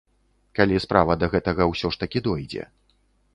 Калі справа да гэтага ўсё ж такі дойдзе.